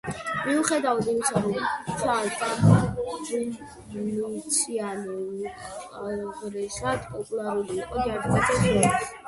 მიუხედავად ამისა, როგორც ჩანს, დომიციანე უაღრესად პოპულარული იყო ჯარისკაცებს შორის.